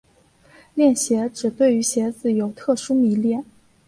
恋鞋指对于鞋子有特殊迷恋。